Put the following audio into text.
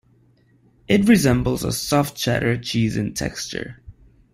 It resembles a soft Cheddar cheese in texture.